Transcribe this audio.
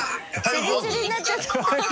「チリチリになっちゃった」